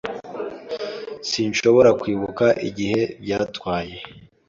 Sinshobora kwibuka igihe byatwaye.